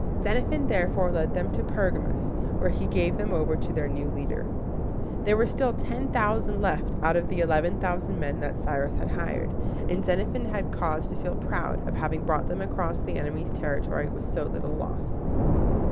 Xenophon therefore led them to Per´ga mus, where he gave them over to their new leader. There were still ten thousand left out of the eleven thousand men that Cyrus had hired, and Xenophon had cause to feel proud of having brought them across the enemy's territory with so little loss.